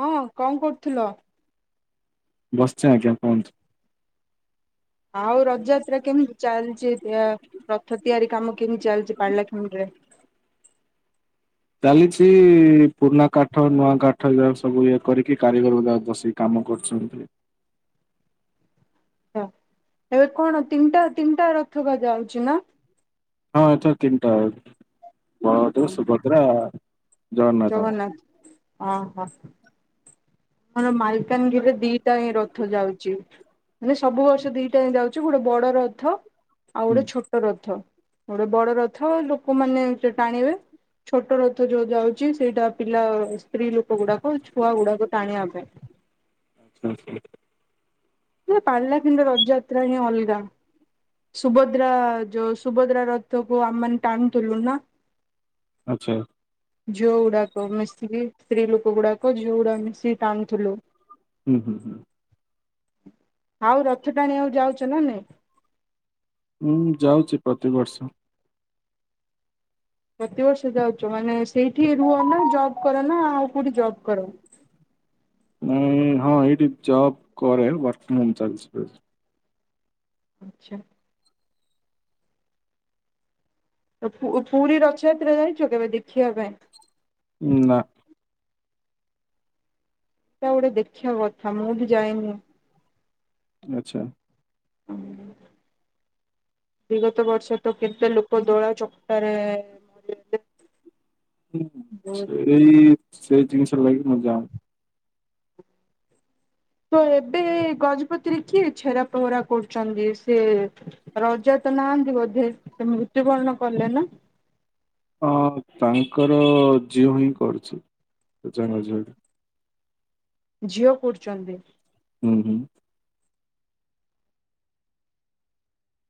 ହଁ କଣ କରୁଥିଲ? ବସିଛେ ଆଜ୍ଞା! କୁହନ୍ତୁ । ଆଉ ରଥଯାତ୍ରା କେମିତି ଚାଲିଛି। ରଥ ତିଆରି କାମ କେମିତି ଚାଲିଛି ପାରଳାଖେମୁଣ୍ଡିରେ । [unintelligible] ଚାଲିଛି ପୁରୁଣା କାଠ ନୂଆ କାଠ ଏଯା ସବୁ ଇଏ କରିକି କାରିଗର ଯା ବଷିକି କାମ ମ କରୁଛନ୍ତି । [inaudible] ଏବେ କଣ ତିନିଟା କୁ ତିନିଟା ରଥ ଯା ଯାଉଛି ନା? ହଁ! ଏଥର ତିନଟା ଯାଉଛି ବଲଭଦ୍ର, ହଁ ସୁଭଦ୍ରା ଜଗନ୍ନାଥ। ଜଗନ୍ନାଥ, ଓ ହୋ। ଆମ ମାଲକାନଗିରିରେ ଦିଟା ହିଁ ରଥ ଯାଉଛି । ମାନେ ସବୁ ବର୍ଷ ଦିଟା ହିଁ ଯାଉଛି । ଗୋଟେ ବଡ ରଥ ଆଉ ହୁଁ ଗୋଟେ ଛୋଟ ରଥ । ଗୋଟେ ବଡ ରଥ ଲୋକମାନେ ଟାଣିବେ ଛୋଟ ରଥ ଯୋ ଯାଉଛି ସେଇଟା ପିଲା ସ୍ତ୍ରୀ ଲୋକ ଗୁଡାକ ଛୁଆ ଗୁଡାକ ଟାଣିଆ ପାଇଁ । ଆଚ୍ଛା ଆଚ୍ଛା। ନ ସେ ପିଲ କିିଣ୍ଡ ରଜଯାତା ହଁ ଅଲଗା। ସୁଭଦ୍ରା ଯୋଉ ସୁଭଦ୍ରା ରଥକୁ ଆମେ ମାନେ ଟାଣଥିଲୁ ନା। ଆଛା। ଝିଅ ଗୁଡାକ ମିସ୍ତ୍ରୀ ସ୍ତ୍ରୀ ଲୋକ ଗୁଡାକ ଝିଅ ଗୁଡା ମିଶି ଟାଣୁଥିଲୁ। ହୁଁ ହୁଁ ହୁଁ। ଆଉ ରଥଟାଣୀ ବାକୁ ଯାଉଛ ନା ନାଇ? ହୁଁ ଯାଉଛି ପ୍ରତି ବର୍ଷ । ପ୍ରତିବର୍ଷ ଯାଉଛ ମାନେ ସେଇଠି ରୁହ ନା ଜବ କର ନା ଆଉ କୋଉଠି ଜବ୍ କର? [unintelligible] ନଁ ହଁ ଏଇଠି ଜବ କରେ ୱାର୍କ ଚାଲିଛି । ଆଚ୍ଛା । ପୁରୀ ରଥଯାତ୍ରା ଯାଇଛ କେବେ ଦେଖିବା ପାଇଁ? ନା । ତା ଗୋଟେ ଦେଖିବା କଥା ମୁଁ ବି ଯାଇନି । ଆଚ୍ଛା । ହୁଁ । ବିଗତ ବର୍ଷ ତ କେତେ ଲୋକ ଦୋଳା ଚକଟାରେ ହୁଁ ବହୁତ ସେଇ ସେଇ ଜିନିଷ ଲାଗି ମୁଁ ଯାାଉନି । ତ ଏବେ ଗଜପତିରେ କିଏ ଛେରା ଫହରା କରୁଛନ୍ତି? ସେ ରଜା ନାହାନ୍ତି ବୋଧେ? ସେ ମୃତ୍ୟୁବରଣ କଲେ ନା? ଅଁ ତାଙ୍କର ଝିଅ ହିଁ କରୁଛି ।ଜଣେ ଝିଅ । ଝିଅ କରୁଛନ୍ତି? ହୁଁ ହୁଁ ।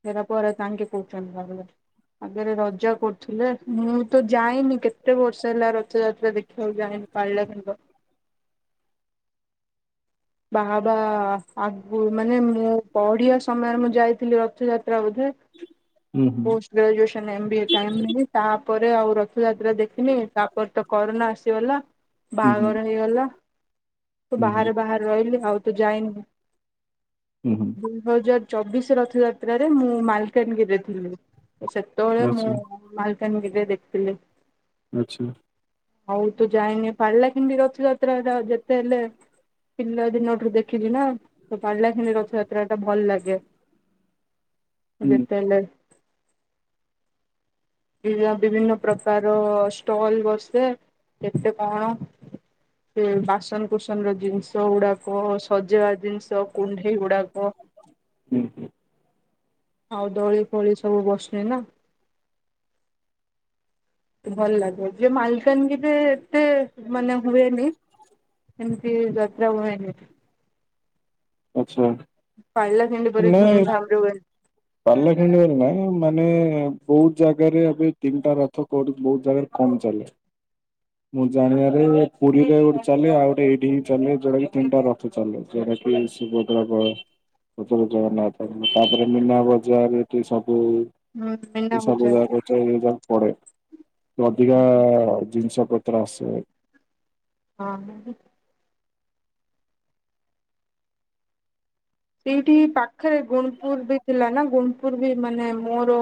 ଛେରା ପହଁରା ତାଙ୍କେ କହୁଛନ୍ତି ଭାବିଲି । ଆଗରେ ରଜା କରୁଥିଲେ ।ମୁଁ ତ ଯାଇନି, କେତେ ବର୍ଷ ହେଲା ରଥଯାତ୍ରା ଦେଖିବାକୁ ଯାଇନି । [inaudible] ବାହା ହବା ଆଗୁରୁ ମାନେ, ମୁଁ ପଢିବା ସମୟରେ ମୁଁ ଯାଇଥିଲି ରଥଯା ତ୍ରା ବୋଧେ। ହୁଁ ହୁଁ। Post graduation M B A time ରେ ହିଁ ତା ପରେ ଆଉ ରଥଯାତ୍ରା ଦେଖିନି, ତାପରେ ତ କରୋନା ଆସିଗଲା, ହୁଁ ହୁଁ ବାହାଘର ହେଇଗଲା । ହୁଁ ହୁଁ ବାହାରେ ବାହାରେ ରହିଲି ଆଉ ତ ଯାଇନି। ହୁଁ ହୁଁ ଦୁଇ ହଜାର ଚବିଶ ରଥଯାତ୍ରାରେ ମୁଁ ମାଲକାନଗିରିରେ ଥିଲି ।ସେତେବେଳେ ଆଚ୍ଛା ମୁଁ ମା ଏନଗେଜ ଦେଖଥିଲି । ଆଛା। ହଉ ତୁ ଯାଇନି ପାଳିଲା କେମତି ରଥ ଯାତ୍ରାର ଯେତେ ହେଲେ ପିଲା ଦିନଠୁ ଦେଖି ଛିନା, ତ ପାରିଲା ଖି ରଥଯାତ୍ରା ଟା ଭଲ ଲାଗେ। ହୁଁ ଯେତେହେଲେ ବିଭି- ବିଭିନ୍ନ ପ୍ରକାର ଷ୍ଟଲ ବସେ। କେତେ କଣ, ସେ ବାସନ କୁସନ ର ଜିନିଷ ଯୋଉଡାକ ସଜେଇବା ଜିନିଷ କୁଣ୍ଢେଇ ଗୁଡାକ- ହୁଁ ହୁଁ। ଆଉ ଦଳି ଫଳି ସବୁ ବସନେ ନା। ଭଲ ଲାଗେ ।ଯେ ମାଲକାନଗିରେ ଏତେ ମାନେ ହୁଏନି । ଏମିତି ଯାତ୍ରା ହୁଏନି। ଆଛା। ପାଳଲା ଖଡି ରେ ବଡ ଧୁମଧାମ ରେ ହୁଏ। ପାଲାଖେଡିରେ ନା ମାନେ ବହୁତ ଜାଗାରେ ଏବେ ତିନିଟା ରଥ କ ବହୁତ ଜାଗାରେ। [inaudible] ମୁଁ ଜାଣିବାରେ ପୁରୀରେ ଗୋଟେ ଚାଲେ, ଆଉ ଗୋଟେ ଏଇଠି ହିଁ ଚାଲେ ଯୋଉଟା କି ତିନିଟା ରଥ ଚାଲେ । ଡାକିବେ ସୁଭଦ୍ରା, ବଳ ପଛକୁ ଜଗନ୍ନାଥ, ତାପରେ ମୀନା ବଜାର ଏଠି ସ ହୁଁ। ଏ ମୀନା ବଜାର ସବୁଯାକରୁଛ ସେତ ପଡେ। ଅଧିକା ଜିନିଷ ପତ୍ର ଆସେ । ହଁ, ହ ସେଇଠି ପାଖରେ ଗୁଣପୁର ବି ଥିଲା ନା ।ଗୁଣପୁର ବି ମାନେ ମୋର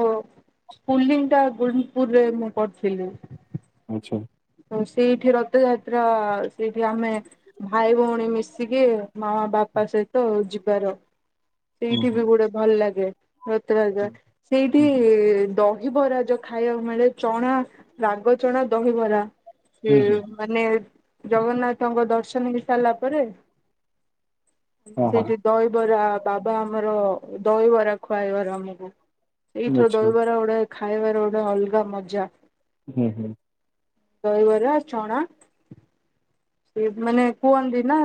ସ୍କୁଲିଙ୍ଗଟା ଗୁଣୁପୁରରେ, ମୁଁ ପଢ଼ୁଥିଲି। ଆଛା। ସେଇଠି ରଥଯାତ୍ରା। ସେଇଠି ଆମେ ଭାଇ, ଭଉଣୀ ମିଶିକି ମା ମା ବାପା ସେହିତ ଯିବାର ହୁଁ ସେଇଠି ହୁଁ ବି ଗୋଟେ ଭଲ ଲାଗେ ରଥଯାତ୍ରା ହୁଁ ସେଇଠି ହୁଁ ଦଶ ରିବରାଜୋଉ ଖାଇବାକୁ ମିଳେ ଚଣା ରାଗ ଚଣା ଦହିବରା ସେ ହୁଁ ହୁଁ ମାନେ, ଜଗନ୍ନାଥଙ୍କ ଦର୍ଶନ ହେଇ ସାରିଲା ପରେ ହୁଁ ହଁ ହଁ ସେଇଠି ଦହିବରା ବାବା ଆମର ଦହିବରା ଖୁଆଇବାର ଆମକୁ ଏଇଥର ଆଚ୍ଛା ଦହିବାର ଓଡେ ଖାଇବାର ଓଡେ ଅଲଗା ମଜା। ହୁଁ ହୁଁ ଦହିବାର ଚଣା ସେ ମାନେ କୁହନ୍ତି ନା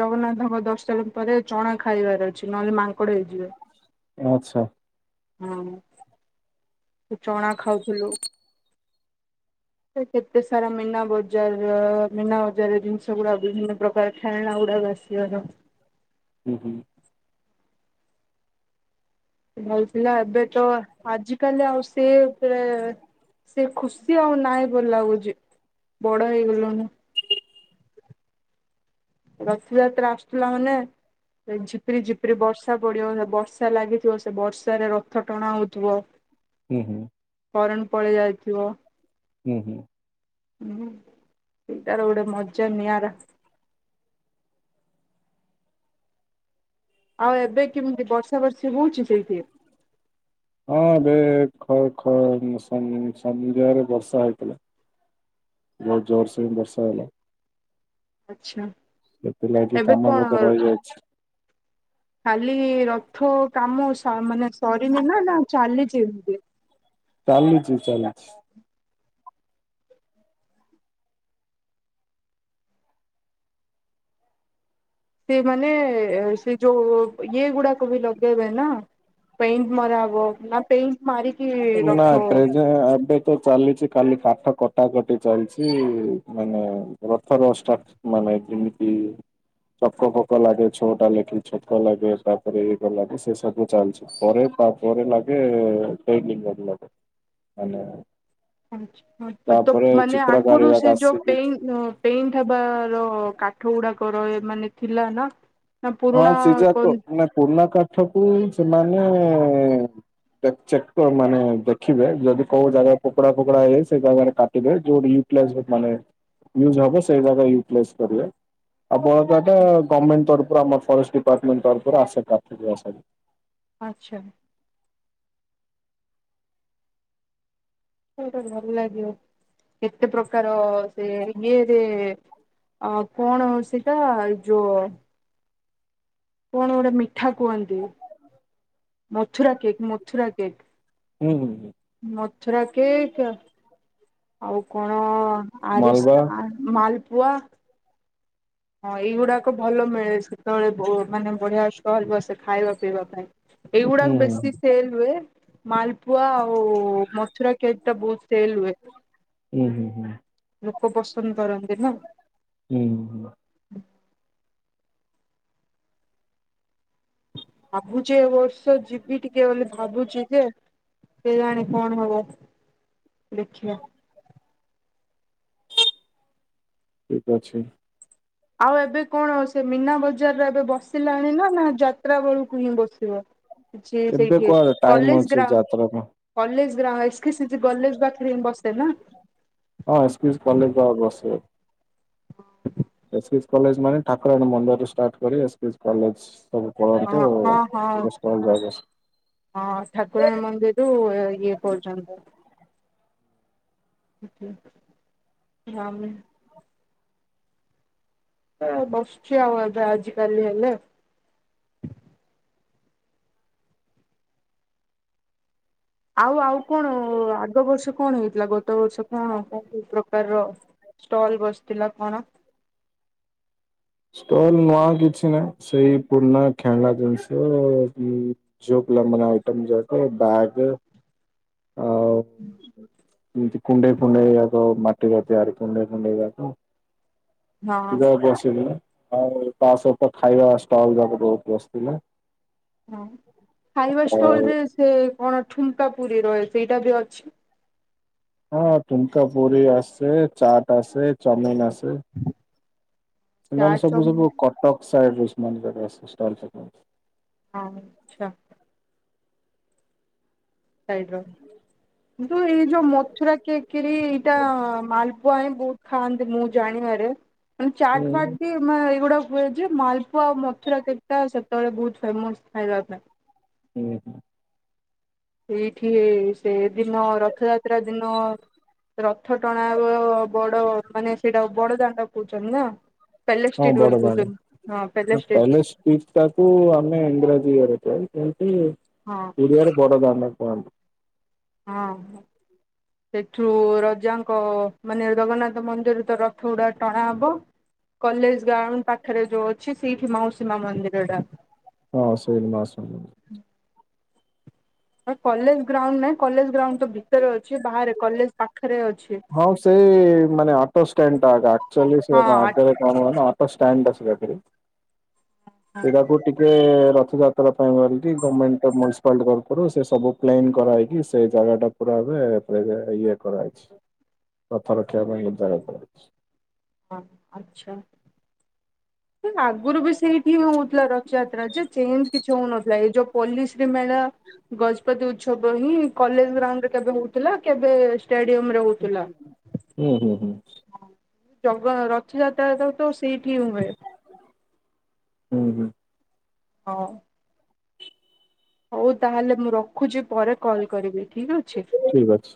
ଜଗନ୍ନାଥଙ୍କ ଦର୍ଶନ ପରେ ଚଣା ଖାଇବାର ଅଛି ନହେଲେ ମା [unintelligible] ହେଇଯିବେ ଆଚ୍ଛା। ହଁ [inaudible] ଚଣା ଖାଉଥିଲୁ। ସେ କେତେ ସାରା ମୀନା ବୋଜାର ମିନା ବଜାର ଜିନିଷ ଗୁଡା ବିଭିନ୍ନ ପ୍ରକାର ଖେଳଣା ଗୁଡାକ ଆସିବାର ହୁଁ ହୁଁ। ଭଲଥିଲା ଏବେ ତ ଆଜି କାଲି ଆଉ ସେ ପୁରା ସେ ଖୁସି ଆଉ ନହିଁ ବୋଲିଲ ଲାଗୁଛି ବଡ ହେଇଗଲଣି । ରଥଯାତ୍ରା ଆସୁଥିଲା ମାନେ ସେ ଝିପରି ଝିପରି ବର୍ଷା ପଡିବ ବର୍ଷା ଲାଗିଥିବ ସେ ବର୍ଷାରେ ରଥ ଟଣା ହଉଥିବ। ହୁଁ ହୁଁ। ଫରଣ ପଳେଇ ଆଇଥିବ ହୁଁ ହୁଁ। [inaudible] ହଁ ସେ ତାର ଗୋଟେ ମଜା ନିଆରା। [inaudible] ଆଉ ଏବେ କେମିତି ବର୍ଷା ବର୍ଷି ହଉଛି ସେଇଠି? [inaudible] ଖ ସମୁଦାୟରେ ବର୍ଷା ହେଇଥିଲା। [inaudible] ବହୁତ ଜୋର ସେ ବର୍ଷା ହେଲା। ଆଚ୍ଛା। ସେ ପିଲାଟି କାମ ବୋଧେ ରହିଯାଇଛି? ଖାଲି ରଥ କାମ ମାନେ ସରିିନି ନା ନା ଚାଲିଛିି ଏମିତି? ଚାଲିଚି ଚାଲିଚି ସେ ମାନେ ସେ ଯୋଉ ଇଏ ଗୁଡାକ ବି ଲଗେଇବେ ନା? ପେଣ୍ଟ ମରା ଆବ ନା ପେଣ୍ଟ ମାରିକି ରଥ [unintelligible] ତ ଚାଲିଛି ଖାଲି କାଠ କଟାକଟି ଚାଲିଛି ମାନେ ରଥ [unintelligible] ମାନେ ମୈତ୍ରୀ ମିତି ଚକ ପକ ଲାଗେ ଛୋଟା ଲେଖି ଛକ ଲାଗେ ତାପରେ ଏଇଟା ଲାଗେ ସେ ସବୁ ଚାଲିଛି ପରେ ପାରେ ଲାଗେ ସେ ଲାଗେ [inaudible] ମାନେ ହଁ ତ ତାପରେ ମାନେ ଆଗୁରୁ ଚିତ୍ରକାରିବା ସେ ଯୋ ଆସିକି ପେ ପେଟବ କା ଠ ଉୁଡାକର ମାନେ ଥିଲା ନା ନା ହଁ ପୁରୁଣା ସେ ଯାକ କଣ ମାନେ ପୁରର୍ନା କାଠ କୁ ସେମାନେ [unintelligible] ପ୍ଲସ ବଟ ମାନେ ନିଉ ଜବ ସେଇ ନିଉପ୍ଲସ କରିବେ। ଆଉ ବଳକା ଟା ଗମେଣ୍ଟ ତରଫ ରୁ ଆସେ [unintelligible] ଆଚ୍ଛା। ସେଟା ଭଲ ଲାଗିବ କେତେ ପ୍ରକାର ସେ ଇଏରେ ଆ କଣ ସେଟା ଯୋଉ କଣ ଗୋଟେ ମିଠା କୁହନ୍ତି? Mathura cake Mathura cake. ହୁଁ ହୁଁ ହୁଁ। ମଥୁରା କେକ୍ [inaudible] ଆଉ କଣ ମାଲବା ଆରିସା ମାଲ ୱା ହଁ ଏଇଗୁଡାକ ଭଲ ମିଳେ ସେତେବେଳେ ମାନେ ବଢିଆ ଷ୍ଟଲ ବସେ ଖାଇବା ପିଇବା ପାଇଁ। ହୁଁ ଏଇଗୁଡାକ ହୁଁ ବେଶୀ ସେଲ ହୁଏ। ମାଲପୁଆ ଓ ମଥୁରା କେକ୍ ଟା ବହୁତ ସେଲ ହୁଏ। ହୁଁ ହୁଁ ଲୋକ ପସନ୍ଦ କରନ୍ତି ନା। ହୁଁ। ଭାବୁଛି ଏ ବର୍ଷ ଯିବି ଟିକେ ବୋଲି ଭାବୁଛି ଯେ କେ ଜାଣି କଣ ହବ, ଦେଖିବା। ଠିକ୍ ଅଛି। ଆଉ ଏବେ କଣ ସେ ମୀନା ବଜାରରେ ଏବେ ବସିଲାଣି ନା ନା ଯାତ୍ରା ବେଳକୁ ହିଁ ବସିବ? ଅଛି ଏବେ ସେଇଠି କୁଆଡେ ଟାଇମ କଲେଜ୍ ଅଛି ଗ୍ରାଉ ଯାତ୍ରା ପାଇଁ କଲେଜ୍ ଗ୍ରା S K C G college ପାଖରେ ହିଁ ବସେ ନା? ହଁ [unintelligible] କଲେଜ୍ ପାଖରେ ବସେ। ଏସ୍ କି ସିଜ୍ କଲେଜ୍ ମାନେ ଠାକୁରାଣୀ ମନ୍ଦିରରୁ ଷ୍ଟାର୍ଟ୍ କରି ଏସ୍ କି ସିଜ୍ କଲେଜ୍। ହଁ ହଁ- ହଁ। ଯାକ ହଁ ଠାକୁରାଣୀ ମନ୍ଦିରୁ ଇଏ ପର୍ଯ୍ୟନ୍ତ। ହୁଁହୁଁ [unintelligible] ଏ ବସୁଚି ଆଉ ଏବେ ଆଜି କାଲି ହେଲେ। ଆଉ-ଆଉ କଣ ଆଗ ବର୍ଷ କଣ ହେଇଥିଲା ଗତ ବର୍ଷ କଣ କଣ କୋଉ ପ୍ରକାରର? ଷ୍ଟଲ୍ ବସିଥିଲା କଣ? ଷ୍ଟଲ୍ ନୂଆ କିଛି ନା ସେଇ ପୁରୁଣା ଖେଳଣ ଜିନିଷ ଅ ଯୋ [unintelligible] ଆଇଟମ୍ ଯାକ ବ୍ୟାଗ ଆଉ ହୁଁ। ଏମିତି କୁଣ୍ଡେଇଫୁଣ୍ଡେଇରାକ ମାଟିରେ ତିଆରି କୁଣ୍ଡେଇଫୁଣ୍ଡେଇରାକ। ହଁ [unintelligible] ବସିନି ନା? ଆଉ ତା ସହିତ ଖାଇବା ଷ୍ଟଲ୍ ଯାକ ବହୁତ ବସିଥିଲା। ହଁ ଖାଇବା ଆଉ ଷ୍ଟଲରେ ସେ କଣ ଠୁଙ୍କାପୁରିର [inaudible] ସେଇଟା ବି ଅଛି? ହଁ ଠୁଙ୍କାପୁରି ଆସେ ଚାଟ୍ ଆସେ ଚାଉମିନ୍ ଆସେ। ଚା ସେମାନେ ସବୁ ଚମ୍ ସବୁ କଟକ ସାଇଡ଼ରେ ସେମାନେ ଯାକ ଆସେ ଷ୍ଟଲ୍ ପକାଏ । ହଁ ଆଛା। ସାଇଡର କିନ୍ତୁ ଏଇ ଯୋଉ ମଥୁରା କେକରି ଏଇଟା ମାଲପୁଆ ହିଁ ବହୁତ ଖାଆନ୍ତି ମୁଁ ଜାଣିବାରେ ମାନେ ହୁଁ ଚାଟଫାଟ୍ ବି ମାନେ ଏଇଗୁଡା ହୁଏ ଯେ ମାଲପୁଆ ଆଉ ମଥୁରା କେକଟା ସେତେବେଳେ ବହୁତ ଫେମସ୍ ଖାଇବା ପାଇଁ। ହୁଁ -ହୁଁ। ଏଇଠି ଏ ସେଦିନ ରଥଯାତ୍ରା ଦିନ। ରଥ ଟଣା ହେବ ବଡ ମାନେ ସେଇଟା ବଡଦାଣ୍ଡ କହୁଛନ୍ତି ନା? ହଁ ପେଲେଷ୍ଟ୍ରିଟ ବୋଲି ବଡଦାଣ୍ଡ, କହୁଛନ୍ତି ହଁ ପେଲେଷ୍ଟ୍ରିଟ [unintelligible] ଆମେ ଇଂରାଜୀରେ [inaudible] ସେମିତି ହଁ ଓଡିଆରେ ବଡଦାଣ୍ଡ କୁହନ୍ତି। ହଁ। ସେଠୁ ରଜାଙ୍କ ମାନେ ଜଗନ୍ନାଥ ମନ୍ଦିରରେ ତ ରଥଗୁଡା ଟଣା ହବ? କଲେଜ ଗ୍ରାଉଣ୍ଡ୍ ପାଖରେ ଯୋଉ ଅଛି ସେଇଠି ମାଉସୀମା ମନ୍ଦିରଟା। ହଁ ସେ ମାଉସୀମା [inaudible] [inaudible] କଲେଜ ଗ୍ରାଉଣ୍ଡ୍ ନାଇଁ କଲେଜ ଗ୍ରାଉଣ୍ଡ୍ ତ ଭିତରେ ଅଛି ବାହାରେ କଲେଜ ପାଖ ହଁ ସେଇ ମାନେ ଅଟୋଷ୍ଟାଣ୍ଡଟା [inaudible] ଆକ୍ଚୁଆଲି ସେ [inaudible] ହଁ ଆଗରେ କଣ ହୁଏ ନା ଅଟୋ ଷ୍ଟାଣ୍ଡ୍ [unintelligible] ଆ ସେଟାକୁ ଟିକେ [inaudible] ରଥଯାତ୍ରା ପାଇଁ ବୋଲିକି ଗମେଣ୍ଟ୍ ମ୍ୟୁନିସିପାଲଟି ତରଫରୁ ସବୁ ପ୍ଲେନ୍ କରା ହେଇକି ସେ ଜାଗା ପୁରା ଏବେ [inaudible] ଇଏ କରା ହେଇଛି, ରଥ ରଖିବା ପାଇଁ ଜାଗା କରା ହେଇଛି। ହଁ ଆଚ୍ଛା। ଆଗରୁ ବି ସେଇଠି ହିଁ ହଉଥିଲା ରଥଯାତ୍ରା ଯେ ଚେଞ୍ଜ୍ କିଛି ହଉନଥିଲା ଏଇ ଯୋଉ ପଲିଶ୍ରୀ ମେଳା [inaudible] ଗଜପତି ଉତ୍ସବ ହିଁ କଲେଜ ଗ୍ରାଉଣ୍ଡରେ କେବେ ହେଉଥିଲା କେବେ ଷ୍ଟାଡିୟମରେ ହଉଥିଲା। ହୁଁ ହୁଁ ହୁଁ ଜଗ ରଥଯାତ୍ରାଟା ତ ସେଇଠି ହୁଏ। ହୁଁ ହୁଁ ହଁ ହଉ ତାହେଲେ ମୁଁ ରଖୁଛି, ପରେ କଲ୍ କରିବି ଠିକ ଅଛି। ଠିକ ଅଛି।